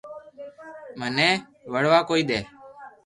موئي وڙوا ڪوئي دي